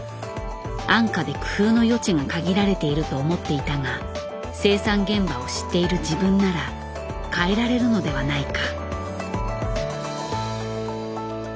安価で工夫の余地が限られていると思っていたが生産現場を知っている自分なら変えられるのではないか。